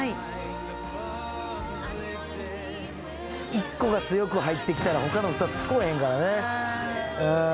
１個が強く入ってきたら他の２つ聞こえへんからね。